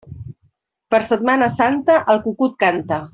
Per Setmana Santa, el cucut canta.